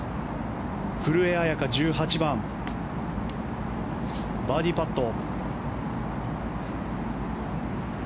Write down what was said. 古江彩佳、１８番バーディーパット。